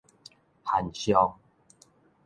旱象